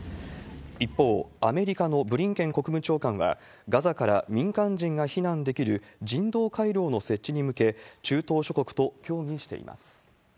一方、アメリカのブリンケン国務長官は、ガザから民間人が避難できる人道回廊の設置に向け、中東諸国と協議しています。